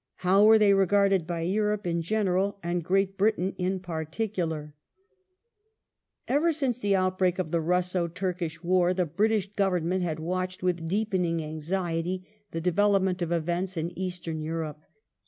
How were they regarded by Europe in general and Great Britain in particular ? Ever since the outbreak of the Russo Turkish War, the British British Government had watched with deepening anxiety the development ^g^'^^ g o of events in Eastern Europe.